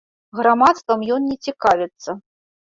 Грамадствам ён не цікавіцца.